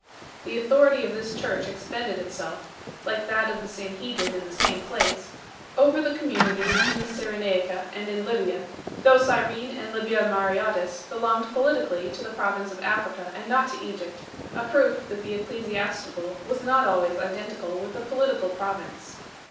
The authority of this church extended itself like that of the Sanhedrin in the same place over the communities in the Cyrenaica and in Libya, though Cyrene and Libya Mareotis belonged politically to the province of Africa and not to Egypt ; a proof that the ecclesiastical was not always identical with the political province.